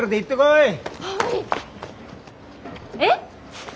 えっ！？